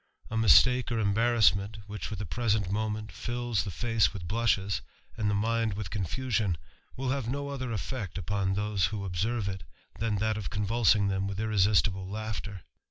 A mistake or embarrassment, which for tf»c present moment fills the face with blushes, and the mind with confusion, will have no other effect upon those iriio observe it, than that of convulsing them with irresistible laughter.